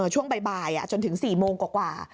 ช่วงบ่ายจนถึง๔โมงกว่า